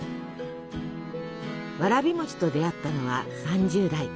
わらび餅と出会ったのは３０代。